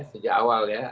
sejak awal ya